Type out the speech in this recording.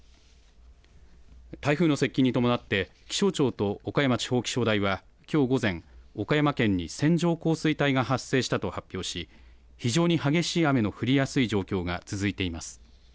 台風の接近に伴って気象庁と岡山地方気象台はきょう午前、岡山県に線状降水帯が発生したと発表し非常に激しい雨の降りやすい状況が続いています。